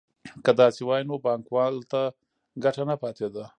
که داسې وای نو بانکوال ته ګټه نه پاتېده